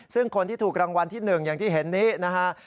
ซึ่งคนที่ถูกรางวัลที่๑อย่างที่เห็นนี้นะฮะ